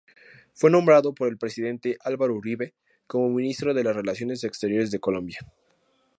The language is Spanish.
Fue nombrado por el presidente Álvaro Uribe como ministro de relaciones exteriores de Colombia.